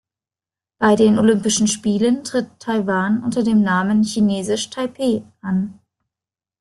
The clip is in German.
Bei den Olympischen Spielen tritt Taiwan unter dem Namen „Chinesisch Taipeh“ an.